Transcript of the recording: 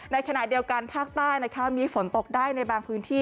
ในขณะเดียวกันภาคใต้มีฝนตกได้ในบางพื้นที่